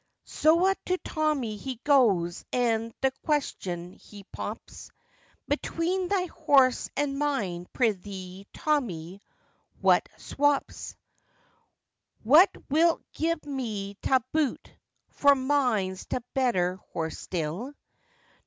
Soa to Tommy he goas, an' the question he pops: 'Betwin thy horse and mine, prithee, Tommy, what swops? What wilt gi' me ta boot? for mine's t'better horse still!